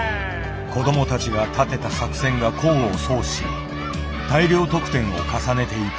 子どもたちが立てた作戦が功を奏し大量得点を重ねていく。